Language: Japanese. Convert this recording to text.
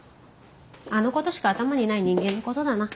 あのことしか頭にない人間のことだな。